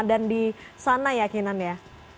ramadan di sana ya kinan ya